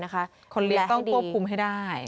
คนลิฟต์ต้องควบคุมให้ได้